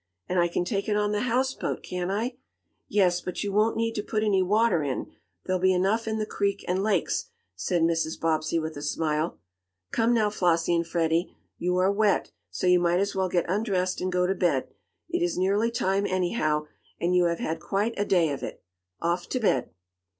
"And I can take it on the houseboat, can't I?" "Yes, but you won't need to put any water in. There'll be enough in the creek and lakes," said Mrs. Bobbsey with a smile. "Come now, Flossie and Freddie, you are wet, so you might as well get undressed and go to bed. It is nearly time, anyhow, and you have had quite a day of it. Off to bed!"